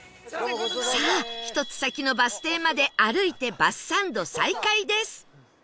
さあ１つ先のバス停まで歩いてバスサンド再開です